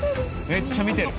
めっちゃ見てる。